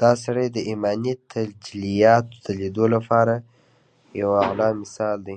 دا سړی د ايماني تجلياتود ليدو لپاره يو اعلی مثال دی.